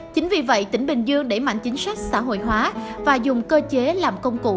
chính vì vậy tỉnh bình dương đẩy mạnh chính sách xã hội hóa và dùng cơ chế làm công cụ